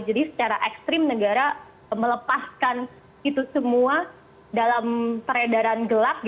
jadi secara ekstrim negara melepaskan itu semua dalam peredaran gelap